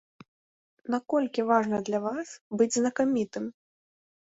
Наколькі важна для вас быць знакамітым?